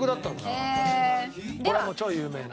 これも超有名な。